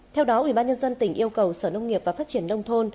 theo đó ủy ban nhân dân tỉnh yêu cầu sở nông nghiệp và phát triển nông thôn